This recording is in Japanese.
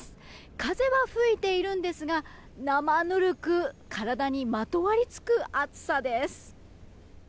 風は吹いているんですが生ぬるく体にまとわりつく暑さです。